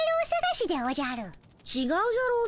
「ちがうじゃろー」